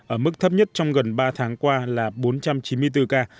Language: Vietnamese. ở mức thấp nhất trong gần ba tháng qua là bốn trăm chín mươi bốn ca